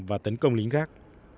và tấn công lính khác